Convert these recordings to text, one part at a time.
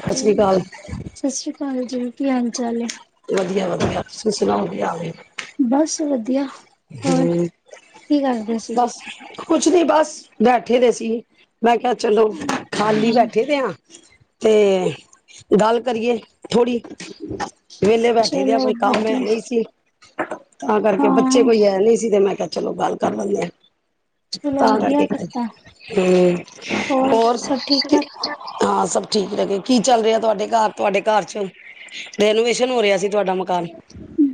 ਸਤਿ ਜੀ, ਸ੍ਰੀ ਅਕਾਲ ਸਤਿ ਸ੍ਰੀ ਅਕਾਲ ਜੀ। ਕੀ, ਹਾਲ -ਚਾਲ ਏ। ਆ ਵੀ [inaudible] ਬਸ, ਵਧੀਆ। ਹੋਰ, ਕੀ ਕਰਦੇ ਸੀ? ਬਸ ਕੁਛ ਨੀ ਬਸ ਬੈਠੇ ਦੇ ਸੀ, ਮੈਂ ਕਿਹਾ ਚਲੋ ਅੱਛਾ ਖਾਲੀ ਬੈਠੇ ਦੇ ਆ। ਤੇ ਗੱਲ ਕਰੀਏ, ਥੋੜ੍ਹੀ ਵਿਹਲੇ ਬੈਠੇ ਦੇ ਆ ਚਲੋ ਕੋਈ ਕੰਮ ਹੈ, ਵਧੀਆ ਨਹੀਂ ਸੀ ਤਾਂ ਕਰਕੇ ਬੱਚੇ ਹਾਂ ਕੋਈ ਹੈ ਨਹੀਂ ਸੀ ਤੇ ਮੈਂ ਕਿਹਾ ਚਲੋ ਗੱਲ ਕਰਨ ਲੈਣੇ ਆ। ਚਲੋ ਤਾ ਵਧੀਆ ਕਰਕੇ, ਕੀਤਾ ਹੂੰ ਹੋਰ ਸਭ ਠੀਕ ਠਾਕ ਹਾਂ ਸਭ ਠੀਕ ਰਹੇ ਕੀ ਚੱਲ ਰਿਹਾ ਤੁਹਾਡੇ ਘਰ ਤੁਹਾਡੇ ਘਰ ਚ ਰਨੋਵੇਸ਼ਨ ਹੋ ਰਿਹਾ ਸੀ, ਤੁਹਾਡਾ ਮਕਾਨ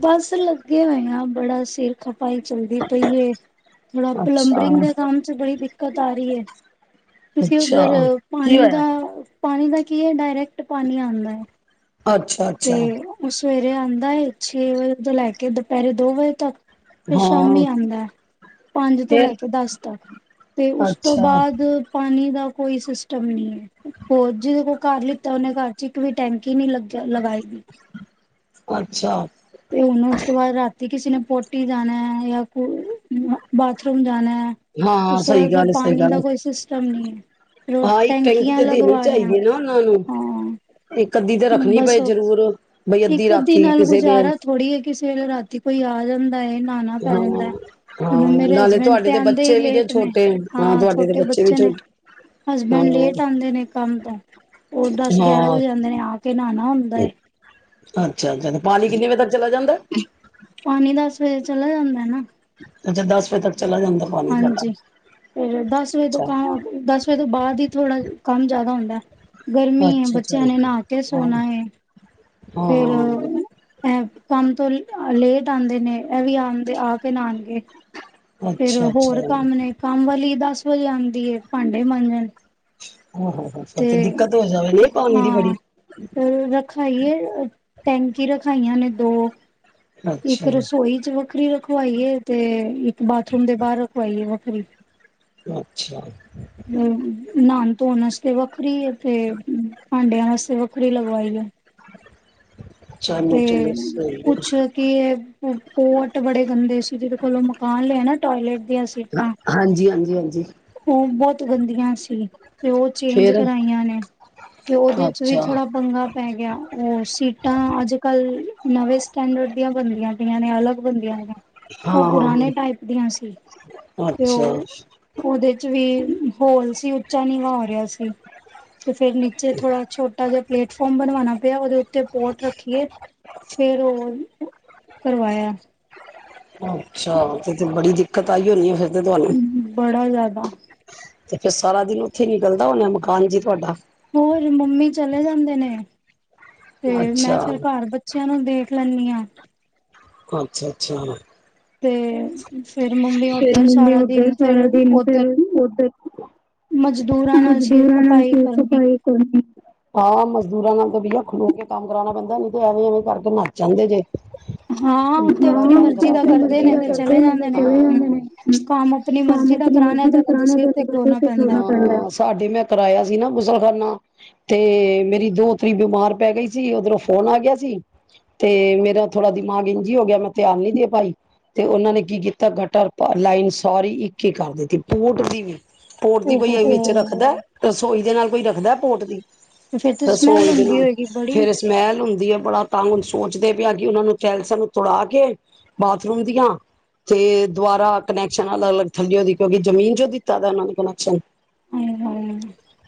ਬਸ ਲੱਗੇ ਹੋਏ ਆ ਬੜਾ ਸਿਰ ਖਪਾਈ ਚੱਲਦੀ ਪਈ ਏ, ਥੋੜਾ ਅੱਛਾ ਪਲੰਬਰਿੰਗ ਦੇ ਕੰਮ ਚ ਬੜੀ ਦਿੱਕਤ ਆ ਰਹੀ ਹੈ। ਕਿਉਂਕਿ, ਅੱਛਾ ਉੱਧਰ ਕੀ ਪਾਣੀ ਦਾ ਹੋਇਆ ਪਾਣੀ ਦਾ ਕੀ ਐ, ਡਾਇਰੈਕਟ ਪਾਣੀ ਆਦਾ ਹੈ। ਅੱਛਾ ਤੇ -ਅੱਛਾ। ਉਹ ਸਵੇਰੇ ਆਂਦਾ ਏ, ਛੇ ਵਜੇ ਤੋਂ ਲੈ ਕੇ ਦੁਪਹਿਰੇ ਦੋ ਵਜੇ ਤੱਕ ਫਿਰ ਸ਼ਾਮੀ ਹਾਂ ਆਦਾ ਏ, ਪੰਜ ਤੋਂ ਲੈ ਫੇਰ ਕੇ ਦਸ ਤੱਕ ਤੇ ਉਸ ਤੋਂ ਅੱਛਾ ਬਾਅਦ ਪਾਣੀ ਦਾ ਕੋਈ ਸਿਸਟਮ ਨੀ ਹੈ ਹੋਰ ਜਿਹਦੇ ਕੋਲ ਘਰ ਲਿੱਤਾ ਉਹਨੇ ਘਰ ਚ ਇੱਕ ਵੀ ਟੈਂਕੀ ਨੀ ਲੱਗੀ ਲਗਾਏਗੀ। ਅੱਛਾ ਤੇ ਹੁਨ ਉਸ ਤੋਂ ਬਾਅਦ ਰਾਤੀ ਕਿਸੇ ਨੇ ਪੋਟੀ ਜਾਣਾ ਯਾ ਬਾਥਰੂਮ ਜਾਣਾ ਹੈ ਹਾਂ ਉਸ ਤੋਂ ਸਹੀ ਬਾਅਦ ਫਿਰ ਗੱਲ ਸਹੀ ਪਾਣੀ ਦਾ ਗੱਲ ਕੋਈ ਸਿਸਟਮ ਨਹੀਂ ਹੈ, ਫੋ ਹਾਂ ਇੱਕ ਟੈਂਕੀ ਟੈਂਕੀਆਂ ਤੇ ਦੇਣੀ ਲਗਵਾ ਰਿਹਾ ਹਾਂ। ਕੱਦੀ ਤੇ ਰੱਖਣੀ ਬਸ ਪਏ ਜਰੂਰ ਇੱਕ ਅੱਧੀ ਨਾਲ ਗੁਜ਼ਾਰਾ ਥੋੜ੍ਹੀ ਹੈ, ਕਿਸੇ ਵੇਲੇ ਰਾਤੀ ਕੋਈ ਆ ਜਾਦਾ ਨਹਾਣਾ ਪੈ ਹਾਂ ਜਾਂਦਾ ਹਾਂ ਮੇਰੇ ਨਾਲੇ ਹਸਬੈਂਡ ਤੁਹਾਡੇ ਤੇ ਦੇ ਆਦੇ ਹੀ ਬੱਚੇ ਵੀ ਲੇਟ ਨੇ ਛੋਟੇ ਹਾਂ, ਤੁਹਾਡੇ ਦੇ ਛੋਟੇ ਵੀ ਬੱਚੇ ਨੇ ਛੋਟੇ ਹਸਬੈਂਡ ਹਾਂ ਲੇਟ ਆਦੇ ਨੇ ਕੰਮ ਤੋਂ ਉਹ ਦਸ ਗਿਆਰਾਂ ਹਾਂ ਵਜੇ ਆਦੇ ਨੇ ਆ ਕੇ ਨਹਾਣਾ ਹੁੰਦਾ। ਹਾਂ ਅੱਛਾ ਅੱਛਾ ਪਾਣੀ ਕਿੰਨੇ ਵਜੇ ਤੱਕ ਚਲਾ ਜਾਂਦਾ। ਪਾਣੀ ਦਸ ਵਜੇ ਚਲਾ ਜਾਂਦਾ ਨਾ ਅੱਛਾ ਦਸ ਵਜੇ ਤੱਕ ਚਲਾ ਜਾਂਦਾ ਪਾਣੀ ਤੁਹਾਡਾ ਹਾਂਜੀ ਫਿਰ ਦਸ ਵਜੇ ਤੋਂ ਅੱਛਾ ਕੰਮ ਦਸ ਵਜੇ ਤੋਂ ਬਾਅਦ ਹੀ ਥੋੜਾ ਕੰਮ ਜ਼ਿਆਦਾ ਹੁੰਦਾ ਗਰਮੀ ਹੈ ਅੱਛਾ ਬੱਚਿਆਂ ਨੇ ਨਹਾ ਕੇ ਅੱਛਾ ਹਾਂ ਸੋਨਾ ਏ। ਫੇਰ ਹਾਂ ਅ ਕੰਮ ਤੋਂ ਲੇਟ ਆਦੇ ਨੇ ਇਹ ਵੀ ਆਦੇ ਆ ਕੇ ਨਾਣਗੇ। ਫੇਰ ਅੱਛਾ ਹੋਰ ਅੱਛਾ ਕੰਮ ਨੇ ਕੰਮ ਵਾਲੀ ਦੱਸ ਵਜੇ ਆਦੀ ਏ ਭਾਂਡੇ ਮਾਂਜਣ। ਆਹ ਫਿਰ ਤੇ ਦਿੱਕਤ ਹੋ ਜਾਵੇ ਨਹੀਂ ਪਾਣੀ ਦੀ ਬੜੀ ਹਾਂ ਫਿਰ ਰਖਾਈਏ ਟੈਂਕੀ ਰਖਾਈਆਂ ਨੇ ਦੋ ਇੱਕ ਅੱਛਾ ਰਸੋਈ ਚ ਵੱਖਰੀ ਰੱਖ ਖਵਾਈਏ ਤੇ ਇ ਬਾਥਰੂਮ ਦੇ ਬਾਹਰ ਰਖਵਾਈਏ ਵਾ। ਵਖਰੀ ਅੱਛਾ, ਹੂੰ ਨਹਾਣ ਧੋਣ ਵਾਸਤੇ ਵੱਖਰੀ ਏ। ਤੇ ਭਾਂਡਿਆਂ ਵਾਸਤੇ ਵੱਖ ਵੱਖਰੀ ਲਗਵਾਈ ਐ। ਤੇ ਚਲੋ ਚਲੋ ਸਹੀ ਕੁਛ ਹੈ ਕੀ ਪੋਟ ਬੜੇ ਗੰਦੇ ਸੀ, ਜਿਹਦੇ ਕੋਲੋਂ ਮਕਾਨ ਲਏ ਨਾ ਟੋਇਲੇਟ ਦੀਆਂ ਸੀਟਾਂ ਹਾਂਜੀ ਹਾਂਜੀ ਹਾਂਜੀ ਉਹ ਬਹੁਤ ਗੰਦੀਆਂ ਸੀ। [inaudible] ਤੇ ਉਹ ਚੇਂਜ ਫੇਰ ਕਰਾਈਆਂ ਨੇ ਤੇ ਉਹਦੇ ਚ ਵੀ ਅੱਛਾ ਥੋੜਾ ਪੰਗਾ ਪੈ ਗਿਆ, ਉਹ ਸੀਟਾਂ ਅੱਜ- ਕੱਲ ਨਵੇਂ ਸਟੈਂਡਰਡ ਦੀਆਂ ਬਣਦੀਆਂ। ਆਂ ਨੇ ਅਲੱਗ ਬਣਦੀਆਂ ਨੇ। ਹਾਂ ਉਹ ਹਾਂ ਪੁਰਾਣੇ ਟਾਈਪ ਦੀਆਂ ਸੀ ਹਾਂ ਤੇ ਅੱਛਾ ਉਹ ਉਹਦੇ ਚ ਵੀ ਹੋਲ ਸੀ, ਉੱਚਾ ਨੀਵਾਂ ਹੋ ਰਿਹਾ ਸੀ। ਤੇ ਫੇਰ ਨੀਚੇ ਥੋੜਾ ਛੋਟਾ ਜਿਹਾ ਪਲੇਟ ਫੋਮ ਬਣਵਾਣਾ ਪਿਆ ਉਹਦੇ ਉੱਤੇ ਪੋਟ ਰੱਖੀਏ, ਫੇਰ ਉਹ ਕਰਵਾਇਆ। ਅੱਛਾ ਤੇ ਤੇ ਬੜੀ ਦਿੱਕਤ ਆਈ ਹੋਣੀ ਐ ਫੇਰ ਤੇ ਤਹਾਨੂੰ [inaudible] ਤੇ ਫਿਰ ਸਾਰਾ ਦਿਨ ਉੱਥੇ ਨਿਕਲਦਾ ਹੋਣਾ ਮਕਾਨ ਚੀ ਤੁਹਾਡਾ ਹੋਰ ਮੰਮੀ ਚਲੇ ਜਾਂਦੇ ਨੇ। ਤੇ ਮੈਂ ਅੱਛਾ ਫਿਰ ਘਰ ਬੱਚਿਆਂ ਨੂੰ ਦੇਖ ਲੰਨੀ ਆਂ। ਅੱਛਾ, ਅੱਛਾ। ਤੇ ਫੇਰ ਮੰਮੀ ਫੇਰ ਓਧਰ ਮੰਮੀ ਸਾਰਾ ਉੱਧਰ ਦਿਨ ਫਿਰ ਸਾਰਾ ਦਿਨ ਓਧਰ ਫਿਰ ਉੱਧਰ ਮਜ਼ਦੂਰਾਂ ਨਾਲ ਸਿਰ ਮਜ਼ਦੂਰਾਂ ਨਾਲ ਖਪਾਈ ਸਿਰ ਕਰਨੀ। ਖਪਾਈ ਕਰਨੀ ਹਾਂ ਮਜ਼ਦੂਰਾਂ ਨਾਲ ਤਾਂ ਬਈਆ ਖਲੋ ਕੇ ਕੰਮ ਕਰਾਣਾ ਪੈਂਦਾ, ਨੀ ਤੇ ਐਵੇਂ- ਐਵੇਂ ਕਰਕੇ ਨੱਸ ਜਾਂਦੇ ਜੇ ਹਾਂ ਉਹ ਤੇ ਆਪਣੀ ਮਰਜ਼ੀ ਦਾ ਕਰਦੇ ਨੇ ਤੇ ਚ ਇੰਨੇ ਦਿਨ ਥੋੜੇ ਹੁੰਦੇ ਨੇ ਆਪਣੀ ਮਰਜ਼ੀ ਦਾ ਆਪ ਕਰਾਣਾ ਮਰਜ਼ੀ ਤੇ ਦਾ ਉਹਨਾਂ ਦੇ ਸਿਰ ਤੇ ਖਲੋਣਾ ਪੈਂਦਾ। ਕਰਾਨਾ [inaudible] ਸਾਡੇ ਮੈਂ ਕਰਵਾਇਆ ਸੀ ਨਾ ਗੁਸਲਖਾਨਾ ਤੇ ਮੇਰੀ ਦੋਹਤਰੀ ਬਿਮਾਰ ਪੈ ਗਈ ਸੀ, ਉਧਰੋਂ ਫੋਨ ਆ ਗਿਆ ਸੀ ਤੇ ਮੇਰਾ ਥੋੜਾ ਦਿਮਾਗ ਇੰ ਹੋ ਗਿਆ ਮੈਂ ਧਿਆਨ ਨੀ ਦੇ ਪਾਈ। ਤੇ ਉਹਨਾਂ ਨੇ ਕੀ ਕੀਤਾ ਗਟਰ ਲਾਈਨ ਸਾਰੀ ਇੱਕ ਹੀ ਕਰ ਦਿੱਤੀ ਪੋਰਟ ਦੀ ਵੀ ਪੋਰਟ ਦੀ ਓ ਹੋ ਕੋਈ ਅਮੀ ਚ ਹੋ ਰੱਖਦਾ ਰਸੋਈ ਦੇ ਨਾਲ ਕੋਈ ਰੱਖਦਾ ਪੋਟ ਦੀ ਫੇਰ ਤੇ ਸਮੈਲ ਰਸੋਈ ਦੇ ਹੁੰਦੀ ਨਾਲ ਹੋਏਗੀ ਬੜੀ ਫੇਰ ਸਮੈਲ ਹੁੰਦੀ ਆ ਬੜਾ ਤੰਗ ਸੋਚਦੇ ਪਿਆ ਕਿ ਉਹਨਾਂ ਨੂੰ ਚੈਲ ਸਾਨ ਤੜਾ ਕੇ ਬਾਥਰੂਮ ਦੀਆਂ ਤੇ ਦੁਬਾਰਾ ਕਨੈਕਸ਼ਨ ਅਲੱਗ ਅਲੱਗ ਥੱਲੀਓ ਦੀ ਕਿਉਂਕਿ ਜ਼ਮੀਨ ਚੋਂ ਦਿੱਤਾ ਦਾ ਉਹਨਾਂ ਨੇ ਕਨੈਕਸ਼ਨ ਹਾਏ ਹਾਏ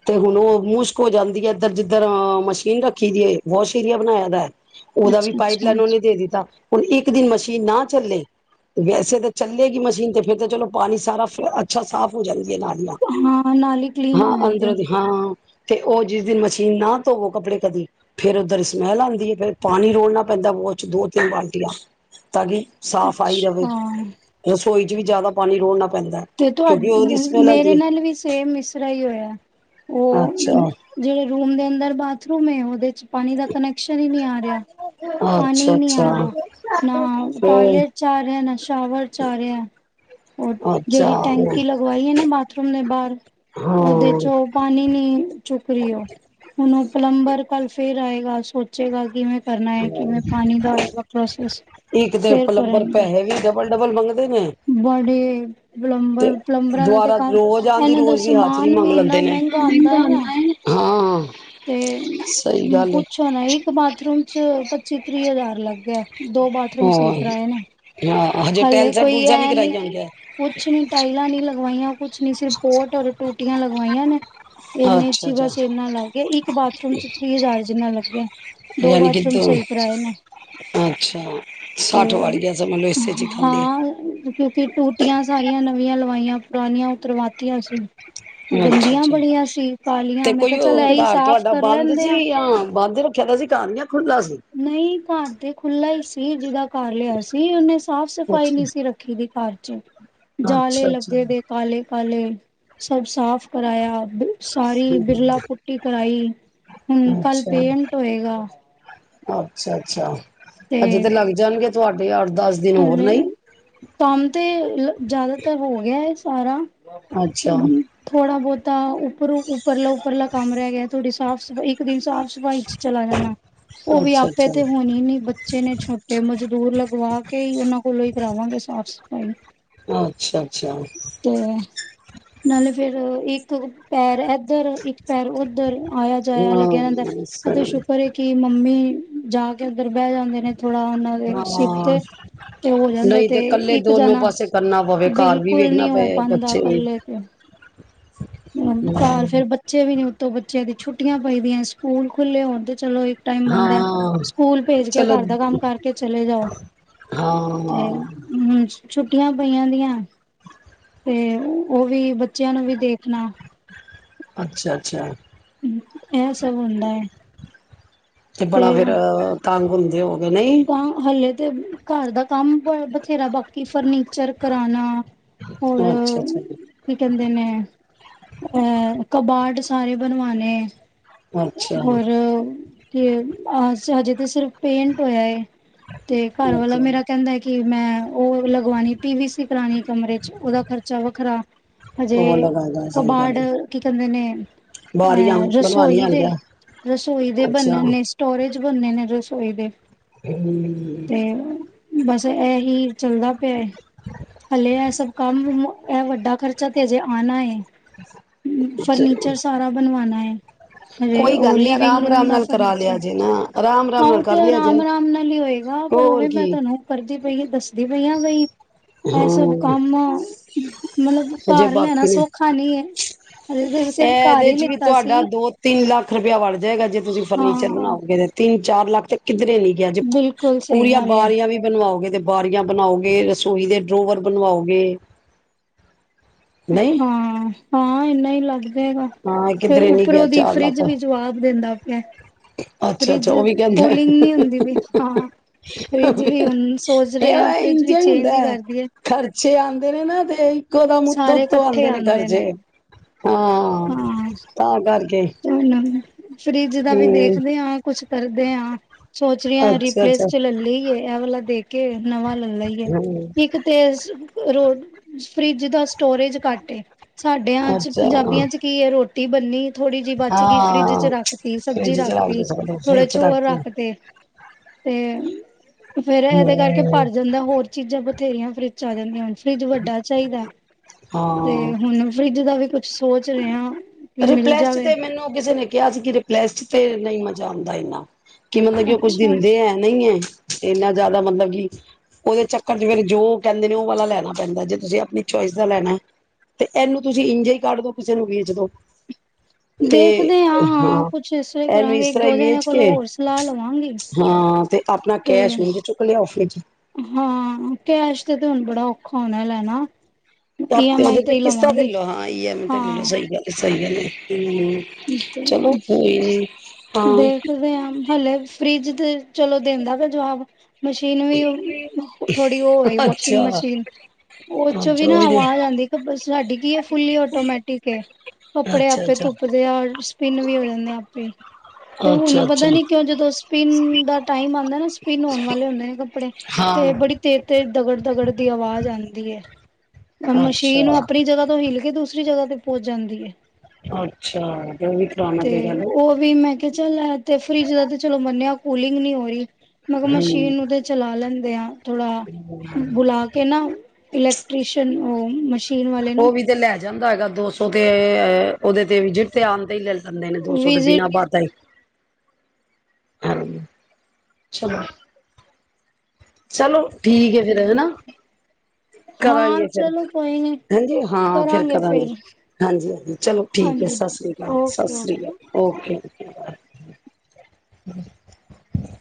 ਤੇ ਹੁਣ ਉਹ ਮੁਸ਼ਕ ਹੋ ਜਾਂਦੀ ਹੈ ਇੱਧਰ ਜਿੱ ਉੱਧਰ ਮਸ਼ੀਨ ਰੱਖੀ ਦੀ ਹੈ ਬਹੁਤ ਸ਼ੀਰੀਆ ਬਣਾਇਆ ਦਾ ਹੈ ਉਹਦਾ ਵੀ ਅੱਛਾ ਪਾਈਪ ਅੱਛਾ ਲੈਣ ਉਹਨੇ ਦੇ ਦਿੱਤਾ ਹੁਣ ਇਕ ਦਿਨ ਮਸੀਂ ਕਿ ਨਾ ਚੱਲੇ ਵੈਸੇ ਤਾਂ ਚੱਲੇਗੀ ਮਸ਼ੀਨ ਤੇ ਫਿਰ ਤਾਂ ਚਲੋ ਪਾਣੀ ਸਾਰਾ ਅੱਛਾ ਸਾਫ਼ ਹੋ ਜਾਵੇ ਲਾੜੀਆਂ ਹਾਂ ਨਾਲ ਹੀ ਕਲੀਨ ਹੋ ਹਾਂ ਜਾਂਦੇ ਅੰਦਰੋਂ ਦੀ ਹੋਣੇ ਹਾਂ ਤੇ ਉਹ ਜਿਸ ਦਿਨ ਮਸ਼ੀਨ ਨਾ ਧੋਵੋ ਕੱਪੜੇ ਕਦੀ ਫੇਿਰ ਉੱਧਰ ਸਮੈਲ ਆਉਂਦੀ ਹੈ ਫਿਰ ਪਾਣੀ ਰੋੜਨਾ ਪੈਂਦਾ ਵ ਚ ਦੋ ਤਿੰਨ ਬਾਲਟੀਆਂ ਤਾਂ ਕਿ ਸਾਫ਼ ਆਈ ਰਹੇ ਅੱਛਾ ਰਸੋਈ ਚ ਵੀ ਜ਼ਿਆਦਾ ਪਾਣੀ ਰੋਣ ਨਾਲ ਤੇ ਤੁਹਾਡੇ ਮੇਰੇ ਨਾਲ ਵੀ ਸੇਮ ਇਸਰਾ ਹੀ ਹੋਇਆ ਹੈ ਉਹ ਅੱਛਾ ਜਿਹੜੇ ਰੂਮ ਦੇ ਅੰਦਰ ਬਾਥਰੂਮ ਮੈਂ ਉਹਦੇ ਚ ਪਾਣੀ ਦਾ ਕਨੈਕਸ਼ਨ ਹੀ ਨਹੀਂ ਆ ਰਿਹਾ ਪਾਣੀ ਅੱਛਾ ਨਹੀਂ ਆ ਅੱਛਾ ਰਿਹਾ ਨਾ ਫੇਰ ਟੋਇਲੇਟ ਚ ਆ ਰਿਹਾ ਨਾ ਸ਼ਾਵਰ ਚ ਆ ਰਿਹਾ ਅੱਛਾ ਜਿਹੜੀ ਟੈਂਕੀ ਲਗਵਾਈ ਹੈ ਨਾ ਬਾਥਰੂਮ ਦੇ ਬਾਹਰ ਉਹਦੇ ਹਾਂ ਚ ਉਹ ਪਾਣੀ ਨੀ ਚੁੱਕ ਰਹੀ ਉਹ ਪਲੰਬਰ ਕੱਲ ਫੇਰ ਆਏਗਾ। ਸੋਚੇਗਾ ਕਿਵੇੈਂ ਕਰਨਾ ਹੈ ਕਿਵੇਂ ਪਾਣੀ ਦਾ ਪ੍ਰੋਸਸ ਇੱਕ ਤੇ ਫਿਰ ਪਲੰਬਰ ਕਰਨਗੇ। ਪੈਸੇ ਵੀ ਡਬਲ ਡਬਲ ਮੰਗਦੇ ਨੇ ਬੜੀ ਤੇ ਦੁਬਾਰਾ ਰੋਜ਼ ਆਨਦੀ ਇਹਨਾਂ ਦਾ ਰੋਜ਼ ਦੀ ਹਾਜ਼ਰੀ ਸਮਾਨ ਮੰਗ ਵੀ ਲੈਂਦੇ ਇੰਨਾ ਨੇ ਮਹਿੰਗਾ ਆਉਂਦਾ ਹੈ ਨਾ ਹਾਂ। ਤੇ ਸਹੀ ਗੱਲ ਹੈ ਪੁੱਛੋ ਨਾ ਇੱਕ ਬਾਥਰੂਮ ਚ ਪੱਚੀ ਤੀਹ ਹਜ਼ਾਰ ਲੱਗ ਗਿਆ ਹੇ। ਦੋ ਬਾਥਰੂਮ ਸਹੀ ਹੋਰ ਕਰਾਏ ਨੇ। ਹਾਂ ਹਜੇ ਹਲੇ ਟੈਲਸਾਂ ਕੋਈ ਟੂਲਸਾਂ ਇਹ ਨੀ ਕਰਾਈਆਂ ਕਿ ਹੋਣਗੀਆਂ ਕੁਛ ਨੀ ਟਾਈਲਾਂ ਨੀ ਲਗਵਾਈਆਂ। ਕੁਛ ਨੀ ਸਿਰਫ ਪੋਰਟ ਹੋਰ ਟੂਟੀਆਂ ਲਗਵਾਈਆਂ ਨੇ। ਇੰਨੇ ਚ ਅੱਛਾ ਹੀ ਅੱਛਾ ਬਸ ਇਨਾ ਲੱਗ ਗਿਆ ਇੱਕ ਬਾਥਰੂਮ ਚ ਤੀਹ ਹਜ਼ਾਰ ਜਿੰਨਾ ਲੱਗ ਗਿਆ, ਦੋ ਯਾਨੀ ਕਿ ਬਾਥਰੂਮ ਸਹੀ ਕਰਾਏ ਨੇ। ਅੱਛਾ ਤੇ ਸੱਠ ਵੜ ਗਿਆ ਸਮਝ ਲਓ ਇਸੇ ਚ ਹੀ ਖਾਲੀ ਹਾਂ ਕਿਉਂਕਿ ਟੂਟੀਆਂ ਸਾਰੀਆਂ ਨਵੀਆਂ ਲਵਾਈਆਂ ਪੁਰਾਣੀਆਂ ਉਤਰਵਾਤੀਆਂ ਸੀ। ਅੱਛਾ ਗੰਦੀਆਂ ਅੱਛਾ ਬੜੀਆਂ ਸੀ ਤੇ ਕਾਲੀਆਂ ਮੈਂ ਕੋਈ ਕਿਹਾ ਉਹ ਚੱਲ ਇਹੀ ਘਰ ਸਾਫ਼ ਤੁਹਾਡਾ ਕਰ ਬੰਦ ਲੈਂਦੇ ਸੀ ਆ, ਜਾਂ ਬੰਦ ਰੱਖਿਆ ਦਾ ਸੀ ਘਰ ਜਾਂ ਖੁੱਲਾ ਸੀ ਨਹੀਂ ਘਰ ਤੇ ਖੁੱਲਾ ਹੀ ਸੀ ਜਿਹਦਾ ਘਰ ਲਿਆ ਸੀ ਉਹਨੇ ਸਾਫ਼ ਸਫ਼ਾਈ ਨਹੀਂ ਸੀ ਅੱਛਾ ਰੱਖੀ ਦੀ ਘਰ ਚ ਜਾਲੇ ਅੱਛਾ ਅੱਛਾ ਲੱਗੇ ਦੇ ਕਾਲੇ ਕਾਲੇ ਸਭ ਸਾਫ ਕਰਾਇਆ ਸਾਰੀ ਬਿਰਲਾ ਪੁੱਟੀ ਕਰਾਈ ਹੁਣ ਕੱਲ ਅੱਛਾ ਪੇਂਟ ਹੋਏਗਾ। ਅੱਛਾ ਅੱਛਾ ਹਜੇ ਤੇ ਲੱਗ ਜਾਣਗੇ ਤੁਹਾਡੇ ਦਸ ਦਿਨ ਹੋਰ ਹਲੇ ਨਹੀਂ ਕੰਮ ਤੇ ਜ਼ਿਆਦਾਤਰ ਹੋ ਗਿਆ ਹੈ। ਸਾਰਾ ਅੱਛਾ ਹਮ ਥੋੜਾ ਬਹੁਤਾ ਉੱਪਰ ਉੱਪਰਲਾ ਉੱਪਰਲਾ ਕੰਮ ਰਹਿ ਗਿਆ ਥੋੜੀ ਸਾਫ਼ ਸਫ਼ਾਈ ਇੱਕ ਦਿਨ ਸਾਫ਼ ਈ ਚ ਚਲਾ ਜਾਣਾ, ਉਹ ਵੀ ਅੱਛਾ ਆਪੇ ਅੱਛਾ ਤੇ ਹੋਣ ਹੀ ਨੀ ਬੱਚੇ ਨੇ ਛੋਟੇ ਮਜ਼ਦੂਰ ਲਗਵਾ ਉਹਨਾਂ ਕੋਲੋਂ ਹੀ ਕਰਾਵਾਂਗੇ ਸਾਫ਼ ਸਫ਼ਾਈ। ਅੱਛਾ ਅੱਛਾ ਤੇ ਨਾਲੇ ਫੇਰ ਇੱਕ ਪੈਰ ਇਕ ਪੈਰ ਉਧਰ ਆਇਆ ਜਾਇਆ ਲੱਗਿਆ ਹਾਂ ਦਾ ਸਹੀ ਸ਼ੁਕਰ ਹ ਕਿ ਮੰਮੀ ਜਾ ਕੇ ਬਹਿ ਜਾਂਦੇ ਨੇ ਥੋੜਾ ਉਹਨਾਂ ਦੇ ਸਿਰ ਹਾਂ ਤੇ ਤੇ ਹੋ ਜਾਂਦੇ ਨਹੀਂ ਤੇ ਕੱਲੇ ਇੱਕ ਦੋਨੋ ਪਾਸੇ ਕਰਨਾ ਪਵੇ ਘਰ ਜਾਣਾ--ਬਿਲਕੁ ਵੀ ਕੋਈ ਵੇਖਣਾ ਨਹੀਂ ਹੋ ਪਏ ਪਾਉਂਦਾ ਬੱਚੇ ਵੀ ਇਕੱਲੇ ਕੋ ਘਰ ਫੇਰ ਬੱਚੇ ਵੀ ਨੀੱ ਤੋਂ ਬੱਚਿਆਂ ਦੀ ਛੁੱਟੀਆਂ ਪਈਦੀਆਂ ਸਕੂਲ ਖੁੱਲ੍ਹੇ ਹੋਣ ਤੇ ਚਲੋ ਟਾਈਮ ਬਣਦਾ ਹਾਂ ਸਕੂਲ ਭੇਜ ਕੇ ਚਲੋ ਘਰ ਦਾ ਕੰਮ ਕਰਕੇ ਚਲੇ ਜਾਓ ਤੇ ਹਾਂ ਹਮ ਛੁੱਟੀਆਂ ਪਈਆਂ ਦੀਆਂ ਤੇ ਉਹ ਵੀ ਬੱਚਿਆਂ ਨੂੰ ਵੀ ਦੇਖ ਸੁਣਾ? ਅੱਛਾ-ਅੱਛਾ। ਇਹ ਸਭ ਹੁੰਦਾ ਐ। ਤੇ ਬੜਾ ਫੇਰ ਤਾਂਗ ਹੁੰਦੇ ਓ ਤਾਂ ਹਲੇ ਤੇ ਘਰ ਦਾ ਕੰਮ ਬੇਰਾ ਬਾਕੀ ਫਰਨੀਚਰ ਕਰਾਨਾ ਹੋਰ ਅੱਛਾ ਅੱਛਾ ਕੀ ਕਹਿੰਦੇ ਨੇ, ਅੰ ਕਬਾਡ ਸਾਰੇ ਬਣਵਾਨੇ ਅੱਛਾ। ਕਿਐ, ਹਜੇ ਜੇ ਤੇ, ਸਿਰਫ ਹੋਇਆ ਏ ਤੇ ਘਰ ਵਾਲਾ ਅੱਛਾ ਮੇਰਾ ਕਹਿੰਦਾ ਕਿ ਮੈਂ ਉਹ ਲਗਵਾਣੀ ਪੀ ਵੀ ਸੀ ਪੁਰਾਣੀ ਕਮਰੇ 'ਚ ਉਹਦਾ ਖਰਚਾ ਵੱਖਰਾ ਉਹ ਹਜੇ ਲਗਾਦਾ ਕ ਸਹੀ ਗੱਲ ਬਾਹਡ ਏ, ਕੀ ਕਹਿੰਦੇ ਨੇ [unintelligible] ਐ ਬਾਰੀਆਂ ਰਸੋਈ ਬਣਵਾਣੀਆਂ ਦੇ ਹੋਣਗੀਆਂ ਰਸੋਈ ਅੱਛਾ ਦੇ--ਬਨਨੋ ਹੂੰ ਨੇ ਸਟੋਰੇਜ ਬੰਨਨੇ ਨੇ ਰਸੋਈ ਦੇ ਹੂੰ ਤੇ ਬਸ ਇਹੀ ਚੱਲਦਾ ਪਿਆ ਹਲੇ ਇਹ ਸਭ ਕੰਮ, ਇਹ ਵੱਡਾ ਖਰਚਾ ਤੇ ਹਜੇ ਆਣਾ ਏ। ਫਰਨੀਚਰ ਸਾਰਾ ਬਣਵਾਨਾ ਐ, ਹਜੇ ਕੋਈ ਉਹ ਗੱਲ ਨੀ ਲਿਵਿੰਗ ਆਰਾਮ ਰੂਮ ਆਰਾਮ ਦਾ ਨਾਲ ਕਰਾ ਫਰਨੀਚਰ ਲਿਆ ਜੇ ਨਾ ਆਰਾਮ ਆਰਾਮ ਹਾਂ ਉਹ ਨਾਲ ਤੇ ਕਰ ਲਿਆ ਜੇ ਆਰਾਮ-ਆਰਾਮ ਨਾਲ ਹੀ ਹੋਏਗਾ ਪਰ, ਹੋਰ ਉਵੇ ਮੈਂ ਕੀ ਤੁਹਾਨੂੰ ਕਰਦੀ ਪਈ ਦੱਸਦੀ ਪਈ ਆ ਬਈ ਇਹ ਸਭ ਹਾਂ ਕੰਮ ਮਤਲਬ ਹਜੇ ਘਰ ਲੈਣਾ ਬਾਕੀ ਨੇ ਸੌਖਾ ਨੀ ਏ। ਅਜੇ ਸਿਰਫ ਘਰ ਹੀ ਲਿੱਤਾ ਸੀ ਕਿਰਪਿਆ ਵ ਏਗਾ ਜੇ ਤੁਸੀਂ ਹਾਂ। ਫਰਨੀਚਰ ਬਣਾਓਗੇ ਤੇ ਤਿੰਨ ਚਾਰ-ਲੱਖ ਤੇ ਕਿੱਧਰੇ ਨੀ ਗਿਆ ਜੇ ਬਿਲਕੁਲ ਸਹੀ ਪੂਰੀਆਂ ਗੱਲ ਏ ਬਾਰੀਆਂ ਵੀ ਬਣਵਾਓਗੇ ਤੇ ਬਾਰੀਆਂ ਬਣਾਓ ਗੇ ਰਸੋਈ ਦੇ ਡਰੋਵਰ ਬਣਵਾਓਗੇ। ਨਹੀਂ ਹਾਂ। ਹਾਂ, ਇੰਨਾ ਹੀ ਲੱਗਦਾ ਗਾ ਹਾਂ ਫੇਰ ਕਿਧਰੇ ਨੀ ਗਿਆ ਉੱਪਰੋਂ ਦੀ, ਚਾਰ ਫਰਿਜ ਲੱਖ ਵੀ ਜਵਾਬ ਦੇਂਦਾ ਪਿਆ। ਅੱਛਾ ਫਰਿੱਜ ਅੱਛਾ ਉਹ ਵੀ ਕਹਿੰਦਾ ਕੂਲਿੰਗ ਨਹੀਂ ਹੁੰਦੀ ਪਈ ਹਾਂ, ਫਰਿਜ ਵੀ ਹੁਣ ਸੋਚ ਰਹੇ ਆ, ਫਰਿੱਜ ਵੀ ਚੇਂਜ ਹੀ ਕਰਦੀ ਹੈ। ਛੇ ਆਉਂਦੇ ਨੇ ਨਾ, ਤੇ ਥੋੜ੍ਹਾ ਮੋਟੇ ਤੋਂ ਇਕੱਠੇ ਆਂਦੇ ਨੇ ਆਉਂਦੇ ਖਰਚੇ ਹਾਂ ਤਾਂ ਕਰਕੇ ਹੂੰ ਫਰਿਜ ਦਾ ਵੀ ਹਮ ਦੇਖਦੇ ਹਾਂ ਕੁਛ ਕਰਦੇ ਹਾਂ ਸੋਚ ਰਹੀ ਹ ਅੱਛਾ ਰੀਪਲੇਸ ਅੱਛਾ ਚ ਲੈ ਲਈਏ ਇਹ ਵਾਲਾ ਦੇਖ ਕੇ ਨਵਾਂ ਲੈ ਲਈਏ ਹਮ ਇੱਕ ਤੇ ਔਰ ਫਰਿੱਜ ਦਾ ਸਟੋਰੇਜ ਘੱਟ ਸਾਡਿਆਂ ਚ ਅੱਛਾ ਪੰਜਾਬੀਆਂ ਚ ਕੀ ਹੈ ਰੋਟੀ ਬੰਨੀ ਥੋੜ੍ਹੀ ਜਿਹੀ ਬਚ ਗਈ ਫਰਿੱਜ ਚ ਹਾਂ ਰੱਖ ਤੀ ਸਬਜ਼ੀ ਫਰਿੱਜ ਚ ਰੱਖ ਰੱਖਤੀ ਦੋ ਸਕਦੇ ਥੋੜੇ ਫਰਿੱਜ ਚ ਚੋਲ ਰੱਖਦੇ ਰੱਖ ਤੇ ਤੇ ਫੇਰ ਇਹਦੇ ਕਰਕੇ ਹਮ ਭਰ ਜਾਂਦਾ ਹੋਰ ਚੀਜ਼ਾਂ ਬਥੇਰੀਆਂ ਫਰਿੱਜ ਚ ਆ ਜਾਂਦੀਆਂ ਫਰਿੱਜ ਵੱਡਾ ਚਾਹੀਦਾ ਤੇ ਹਾਂ ਹੁਣ ਫਰਿੱਜ ਦਾ ਵੀ ਕੁ ਸੋਚ ਰਿਹਾ ਰਿਪਲੇਸ ਤੇ ਮੈਨੂੰ ਕਿਸੇ ਨੇ ਕਿਹਾ ਸੀ ਕਿ ਰਿਪਲੇਸਟ ਤੇ ਨਹੀਂ ਮਚ ਹੁੰਦਾ ਐਨਾ ਕਿ ਮਤਲਬ ਕਿ ਉਹ ਕੁੱਝ ਅੱਛਾ। ਦਿੰਦੇ ਹੈ ਨਹੀਂ ਹੈ ਇਨ੍ਹਾਂ ਜ਼ਿਆਦਾ ਮਤਲਬ ਕਿ ਉਹਦੇ ਚੱਕਰ ਚ ਫਿਰ ਜੋ ਕਹਿੰਦੇ ਨੇ ਉਹ ਵਾਲਾ ਲੈਣਾ ਪੈਂਦਾ ਜੇ ਤੁਸੀਂ ਆਪਣੀ ਚੋਇਸ ਦਾ ਲੈਣਾ ਤੇ ਇਹਨੂੰ ਤੁਸੀਂ ਇੰਜੇ ਹੀ ਕੱਢ ਦੋ ਕਿਸੇ ਨੂੰ ਵੇਚ ਦੋ ਤੇ ਦੇਖਦੇ ਹਾਂ ਹਾਂ ਕੁਛ ਇਸ ਲਈ ਇਹਨੂੰ ਕਰਾਂਗੇ ਇਸ ਇੱਕ ਤਰ੍ਹਾਂ ਦੋ ਹੀ ਜਣੇ ਵੇਚ ਕੋਲੋਂ ਕੇ ਹੋਰ ਸਲਾਹ ਲਵਾਂਗੇ ਹਾਂ ਤੇ ਆਪਣਾ ਤੇ ਕੈਸ਼ ਉਝ ਚੁੱਕ ਲਿਆਓ ਫਰਿੱਜ ਹਾਂ ਕੈਸ਼ ਤੇ ਹੁਣ ਬੜਾ ਔਖਾ ਹੋਣਾ ਲੈ ਨਾ ਤੇ ਉਹਦੇ ਤੇ ਕਿਸਤਾਂ ਤੇ ਲੈ ਲਓ ਹੈ ਈ ਐੱਮ ਆਈ ਤੇ ਲੈਲੋ ਹਾਂ। ਸਹੀ ਗੱਲ ਸਹੀ ਗੱਲ ਹੂੰ। ਤੇ ਚਲੋ ਕੋਈ ਨੀ ਹਾਂ ਦੇਖਦੇ ਹਲੇ ਫਰਿੱਜ ਦੇ ਚਲੋ ਦਿੰਦਾ ਫੇਰ ਜਵਾਬ ਮਸ਼ੀਨ ਵੀ ਥੋੜੀ ਉਹ ਹੋਈ ਵਾਸ਼ਿੰਗ ਅੱਛਾ ਮਸ਼ੀਨ ਉਹ ਚੋਂ ਵੀ ਅੱਛਾ ਨਾ ਉਹੀ ਆਵਾਜ਼ ਆਉਂਦੀ ਸਾਡੀ ਕੀ ਹੈ ਫੁਲੀ ਆਟੋਮੈਟਿਕ ਏ ਕੱਪੜੇ ਅੱਛਾ ਆਪੇ ਅੱਛਾ ਧੁੱਪਦੇ ਆ ਓਰ ਪਿੰਨ ਵੀ ਹੋ ਜਾਂਦੇ ਆ ਆਪੇ। ਤੇ ਅੱਛਾ ਹੁਣ ਪਤਾ ਅੱਛਾ ਨੀ ਕਿਉਂ ਜਦੋਂ ਸਪਿੰਨ ਦਾ ਟਾਈਮ ਆਂਦਾ ਨਾ ਸਪਿੰਨ ਹੋਣ ਵਾਲੇ ਹੁੰਦੇ ਨੇ ਕਪ ਕੱਪੜੇ ਤੇ ਹਾਂ ਬੜੀ ਤੇਜ਼ ਤੇਜ਼ ਦਗੜ ਦਗੜ ਦੀ ਆਵਾਜ਼ ਆਂਦੀ ਹੈ। ਮਸ਼ੀਨ ਅੱਛਾ ਨੂੰ ਆਪਣੀ ਜਗ੍ਹਾ ਤੋਂ ਹਿਲ ਦੂਸਰੀ ਜਗਾ ਤੇ ਪਹੁੰਚ ਜਾਂਦੀ ਹੈ। ਅੱਛਾ ਦੇਵੀ ਕਰਾਣਾ ਤੇ ਪੇਗਾ ਨਈ। ਉਹ ਵੀ ਮੈਂ ਕਿਹਾ ਚੱਲ ਐ ਤੇ ਫਰਿਜ ਦਾ ਤੇ ਚਲੋ ਮੰਨਿਆ ਕੂਲਿੰਗ ਨਹੀ ਹੋ ਰਹੀ। ਮੈਂ ਕਿਹਾ ਮਸ਼ੀਨ ਹਮ ਨੂੰ ਤੇ ਚਲਾ ਲੈਂਦੇ ਆ ਥੋੜਾ ਬੁਲਾ ਕੇ ਨਾ ਇਲੈਕਟ੍ਰੀਸ਼ਨ ਉਹ ਮਸ਼ੀ ਸੀ਼ਨ ਵਾਲੇ ਨੂੰ। ਉਹ ਵੀ ਤੇ ਲੈ ਜਾਂਦਾ ਹੈਗਾ ਦੋ ਸੋ ਤੇ ਉਹਦੇ ਤੇ ਵਿਜਿਟ ਤੇ ਆਉਣ ਦੇ ਈ ਲੈ ਦੇ ਨੇ ਦੋ ਸੋ ਤੇ ਵਿਜਿਟ ਬਿਨਾਂ ਬਾਤਾਂ ਈ। [unintelligible] ਚਲੋ। ਚਲੋ। ਠੀਕ ਹੈ ਫੇਰ ਹੈਨਾ ਹਾਂ ਕਰਾਂਗੇ ਫਿਰ ਚਲੋ ਕੋਈ ਨੀ ਹਾਂਜੀ ਹਾਂ ਫਿਰ ਕਰਾਂਗੇ ਹਾਂਜੀ ਹਾਂਜੀ ਚਲੋ ਠੀਕ ਹੈ ਹਾਂਜੀ ਸਤਿ ਸ੍ਰੀ ਅਕਾਲ। ਸਤਿ ਓਕੇ ਸ਼੍ਰੀ ਓਕੇ ਅਕਾਲ। ਓਕੇ। [unintelligible]